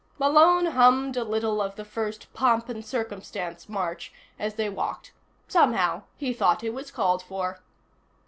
Malone hummed a little of the first Pomp and Circumstance march as they walked; somehow, he thought it was called for.